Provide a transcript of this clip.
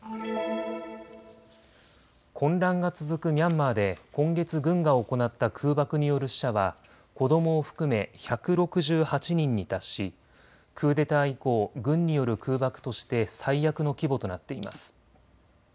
混乱が続くミャンマーで今月、軍が行った空爆による死者は子どもを含め１６８人に達しクーデター以降、軍による空爆として最悪の規模となっています。